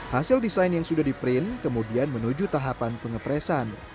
hasil desain yang sudah di print kemudian menuju tahapan pengepresan